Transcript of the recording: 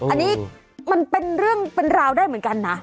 อันนี้มันเป็นเรื่องเป็นราวได้เหมือนกันนะ